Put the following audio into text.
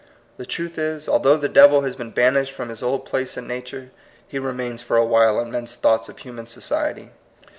The truth is, although the devil has been banished from his old place in nature, he remains for a while in men's thoughts of human society.